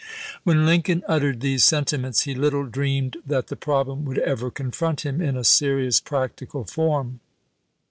When Lincoln uttered these sentiments, he little dreamed that the problem would ever confront him in a serious practical form.